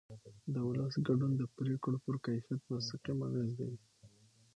د ولس ګډون د پرېکړو پر کیفیت مستقیم اغېز لري